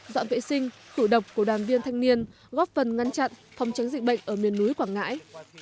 dọn vệ sinh khử độc của đoàn viên thanh niên góp phần ngăn chặn phòng tránh dịch bệnh ở miền núi quảng ngãi